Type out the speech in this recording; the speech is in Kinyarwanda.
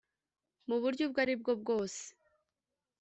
mu buryo ubwo ari bwo bwose